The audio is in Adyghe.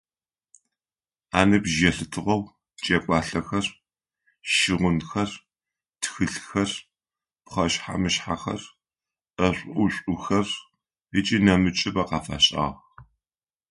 Аныбжь елъытыгъэу джэгуалъэхэр, щыгъынхэр, тхылъхэр, пхъэшъхьэ-мышъхьэхэр, ӏэшӏу-ӏушӏухэр ыкӏи нэмыкӏыбэ къафащагъ.